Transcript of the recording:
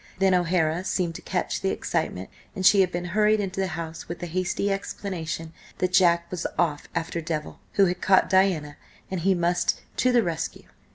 Then O'Hara seemed to catch the excitement, and she had been hurried into the house with the hasty explanation that Jack was off after Devil, who had caught Diana, and he must to the rescue.